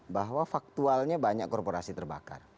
bahwa faktualnya banyak korporasi terbakar